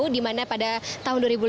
di mana pada tahun dua ribu lima belas